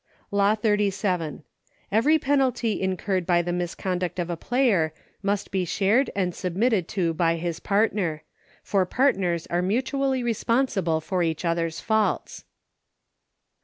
Law XXXVII. Every penalty incurred by the misconduct of a player must be shared and submitted to by his partner — for partners are mutually responsible for each other's faults.